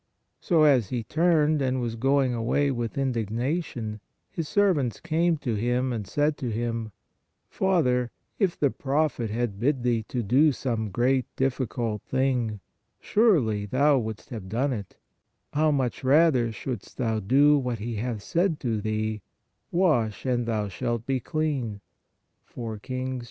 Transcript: So, as he turned and was going away with indignation, his servants came to him, and said to him: Father, 88 PRAYER if the prophet had bid thee to do some great (dif ficult) thing, surely thou wouldst have done it; how much rather (shouldst thou do) what he hath said to thee : Wash, and thou shalt be clean " (IV Kings 5.